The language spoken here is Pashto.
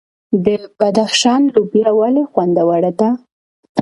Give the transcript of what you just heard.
د بدخشان لوبیا ولې خوندوره ده؟